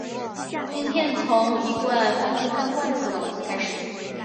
影片从一罐蕃茄酱罐头的晚餐开始。